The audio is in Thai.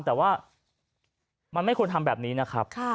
แต่ว่ามันไม่ควรทำแบบนี้นะครับ